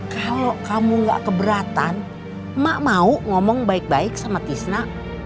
kalau kamu gak keberatan mak mau ngomong baik baik sama tisna